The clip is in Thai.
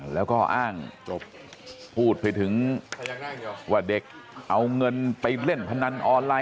แล้วก็อ้างพูดไปถึงว่าเด็กเอาเงินไปเล่นพนันออนไลน